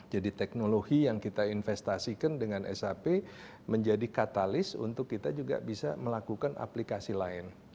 jadi teknologi yang kita investasikan dengan sap menjadi katalis untuk kita juga bisa melakukan aplikasi lain